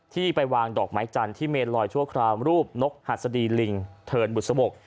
ที่ไปวางดอกไม้จันทร์ที่เมนลอยชั่วคราวรูปนกหัสดีลิงเทินบุษบก